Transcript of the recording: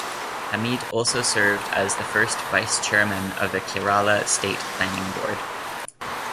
Hameed also served as the first Vice Chairman of the Kerala State Planning Board.